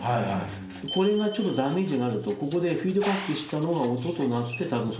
これがダメージになるとここでフィードバックしたのが音となってたぶん外に出てる。